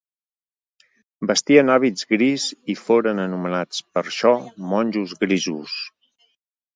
Vestien hàbit gris i foren anomenats, per això, monjos grisos.